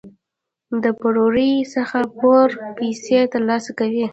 د پوروړي څخه پوره پیسې تر لاسه کوي.